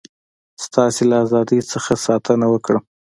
ستاسي له ازادی څخه ساتنه وکړم.